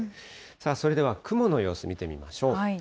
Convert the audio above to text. それでは、雲の様子を見てみましょう。